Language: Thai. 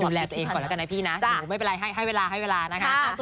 ดูแลตัวเองก่อนแล้วกันนะพี่นะหนูไม่เป็นไรให้เวลาให้เวลานะคะ